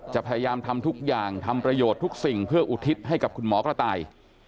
พยายามทำทุกอย่างทำประโยชน์ทุกสิ่งเพื่ออุทิศให้กับคุณหมอกระต่าย